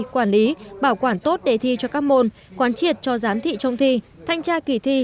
quản lý bảo quản tốt đề thi cho các môn quán triệt cho giám thị trong thi thanh tra kỳ thi